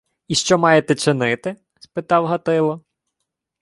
— Й що маєте чинити? — спитав Гатило.